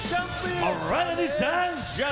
ทุกท่านครับทุกท่านทุกท่าน